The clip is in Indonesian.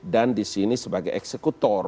dan disini sebagai eksekutor